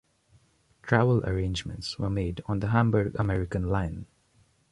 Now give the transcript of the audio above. Travel arrangements were made on the Hamburg-American Line.